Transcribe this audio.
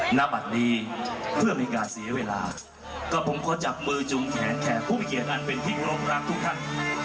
หน้าบัตรนี้เพื่อมีการเสียเวลากับผมขอจับมือจุ่มแขนแขกผู้เขียนอันเป็นที่กรมรักทุกท่าน